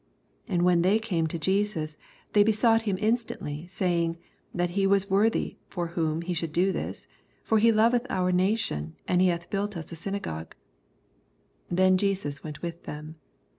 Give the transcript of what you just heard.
4 And when they came to Jeans, they besought him mstantly, saying) That he was worthy for whom he should do this : 5 For he loveth our nation, and he hath built us a synagogue. 6 Then Jesus went with them.